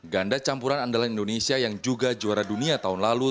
ganda campuran andalan indonesia yang juga juara dunia tahun lalu